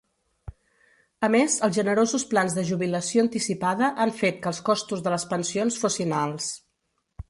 A més, els generosos plans de jubilació anticipada han fet que els costos de les pensions fossin alts.